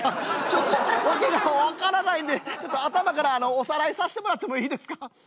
ちょっと訳が分からないんでちょっと頭からおさらいさしてもらってもいいですか？